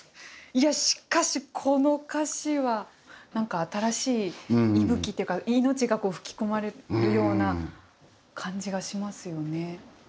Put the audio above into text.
いやしかしこの歌詞はなんか新しい息吹っていうか命が吹き込まれるような感じがしますよね。